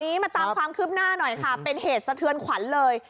มาตามความคืบหน้าหน่อยค่ะเป็นเหตุสะเทือนขวัญเลย